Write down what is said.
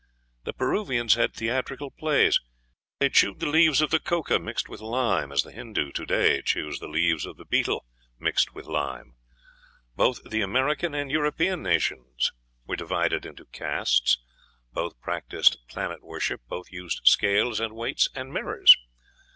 The Peruvians had theatrical plays. They chewed the leaves of the coca mixed with lime, as the Hindoo to day chews the leaves of the betel mixed with lime. Both the American and European nations were divided into castes; both practised planet worship; both used scales and weights and mirrors.